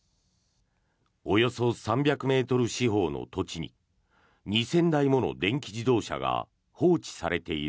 およそ３００ｍ四方の土地に２０００台もの電気自動車が放置されている。